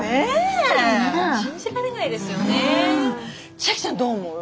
千晶ちゃんどう思う？